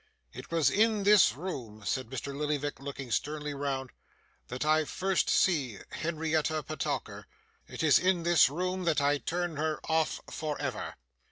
It was in this room,' said Mr. Lillyvick, looking sternly round, 'that I first see Henrietta Petowker. It is in this room that I turn her off, for ever.